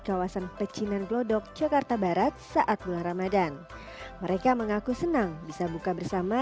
kawasan pecinan glodok jakarta barat saat bulan ramadhan mereka mengaku senang bisa buka bersama